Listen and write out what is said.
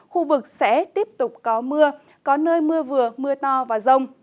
khu vực sẽ tiếp tục có mưa có nơi mưa vừa mưa to và rông